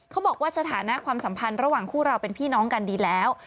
สถานะความสัมพันธ์ระหว่างคู่เราเป็นพี่น้องกันดีแล้ว